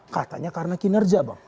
katanya karena kinerja bang